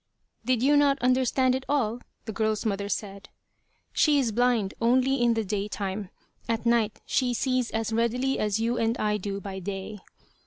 "Did you not understand it all?" the girl's mother said. "She is blind only in the day time. At night she sees as readily as you and I do by day."